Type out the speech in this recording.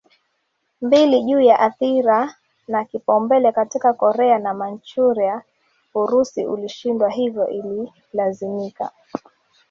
mbili juu ya athira na kipaumbele katika Korea na Manchuria Urusi ulishindwa hivyo ililazimika